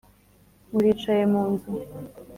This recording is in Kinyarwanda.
muricaye mu nzu,